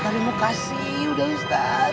terimakasih udhah ustaz